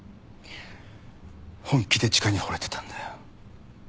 本気でチカに惚れてたんだよ。